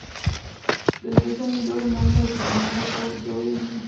Desde ese año lleva el nombre de su primer rector, Gheorghe Dima.